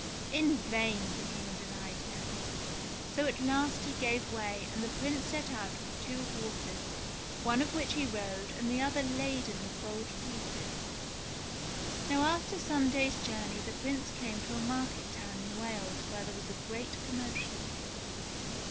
In vain the King denied him ; so at last he gave way and the Prince set out with two horses, one of which he rode, the other laden with gold pieces. Now after some days' journey the Prince came to a market town in Wales where there was a great commotion.